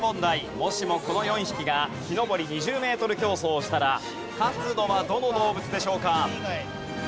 もしもこの４匹が木登り２０メートル競争をしたら勝つのはどの動物でしょうか？